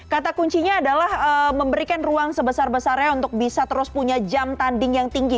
kata kuncinya adalah memberikan ruang sebesar besarnya untuk bisa terus punya jam tanding yang tinggi